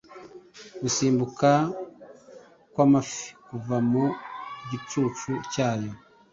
Gusimbuka kwamafi kuva mu gicucu cyayo